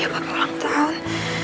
iya papa ulang tahun